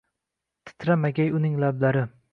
Titramagay uning lablari.